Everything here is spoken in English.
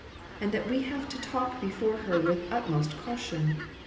and that we have to talk before her with utmost caution.